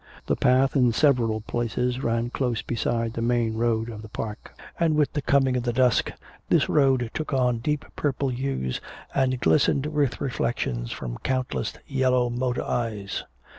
The path in several places ran close beside the main road of the park, and with the coming of the dusk this road took on deep purple hues and glistened with reflections from countless yellow motor eyes.